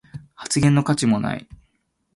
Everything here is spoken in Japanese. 発言の価値もない